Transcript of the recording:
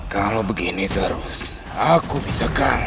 kalau begini terus aku bisa kan